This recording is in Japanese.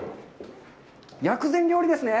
薬膳料理ですね。